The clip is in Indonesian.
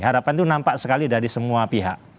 harapan itu nampak sekali dari semua pihak